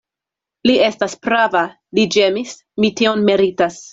Li estas prava, li ĝemis; mi tion meritas.